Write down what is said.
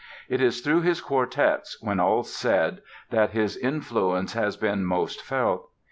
It is through his quartets, when all's said, that his influence has been most felt.